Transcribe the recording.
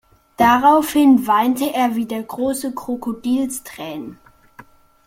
Daraufhin weinte er wieder große Krokodilstränen.